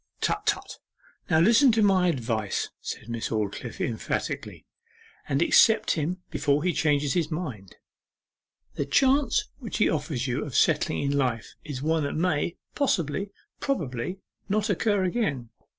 'Tut, tut! Now listen to my advice,' said Miss Aldclyffe emphatically, 'and accept him before he changes his mind. The chance which he offers you of settling in life is one that may possibly, probably, not occur again.